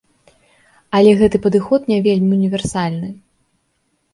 Але гэты падыход не вельмі універсальны.